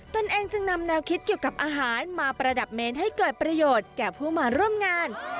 ตนเองจึงนำแนวคิดเกี่ยวกับอาหารมาประดับเมนให้เกิดประโยชน์แก่ผู้มาร่วมงาน